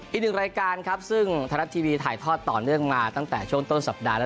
อีกหนึ่งรายการครับซึ่งไทยรัฐทีวีถ่ายทอดต่อเนื่องมาตั้งแต่ช่วงต้นสัปดาห์แล้ว